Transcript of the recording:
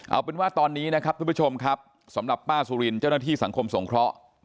เอาเป็นว่าตอนนี้นะครับทุกผู้ชมครับสำหรับป้าสุรินเจ้าหน้าที่สังคมสงเคราะห์